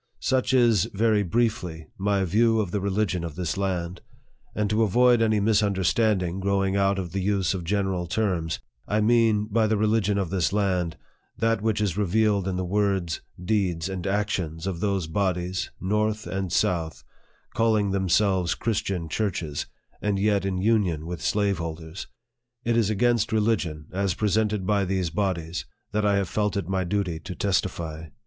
Such is, very briefly, my view of the religion of this land ; and to avoid any misunderstanding, growing out of the use of general terms, I mean, by the religion of this land, that which is revealed in the words, deeds, and actions, of those bodies, north and south, calling themselves Christian churches, and yet in union, with slaveholders. It is against religion, as presented by these bodies, that I have felt it my duty to testify.